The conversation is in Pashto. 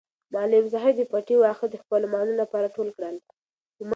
معلم صاحب د پټي واښه د خپلو مالونو لپاره ټول کړل.